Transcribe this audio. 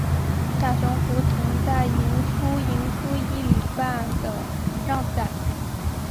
大雄图曾在赢出赢出一哩半的让赛。